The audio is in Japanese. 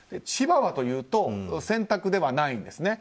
千葉はというと選択ではないんです。